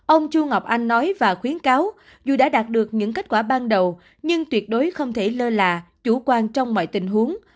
ông chu ngọc anh nói và khuyến cáo dù đã đạt được những kết quả ban đầu nhưng tuyệt đối không thể lơ là chủ quan trong mọi tình huống